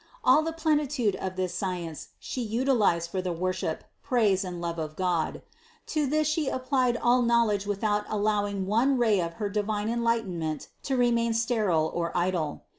All the plenitude of this science She utilized for the worship, praise and love of God : to this She applied all knowledge without allowing one ray of her divine enlightenment to remain sterile or idle.